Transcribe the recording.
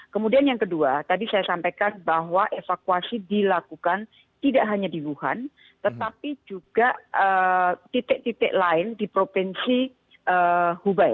kemudian yang kedua tadi saya sampaikan bahwa evakuasi dilakukan tidak hanya di wuhan tetapi juga titik titik lain di provinsi hubei